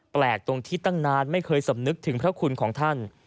แปลกตรงที่ตั้งนานไม่เคยสำนึกถึงพระคุณของท่าน